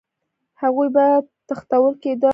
هغوی به تښتول کېده